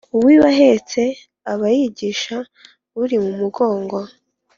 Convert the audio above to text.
Uwiba ahetse aba yigisha uri imugongo.